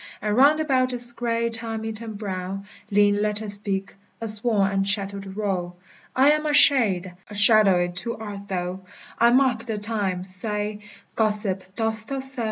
And round about its gray, time eaten brow Lean letters speak, a worn and shattered row: =I am a Shade; a Shadowe too art thou: I marke the Time: saye, Gossip, dost thou soe?